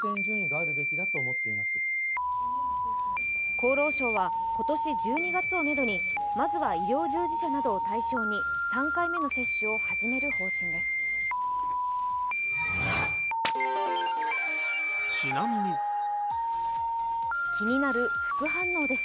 厚労省は今年１２月をめどに、医療従事者などを対象に３回目の接種を始める方針です。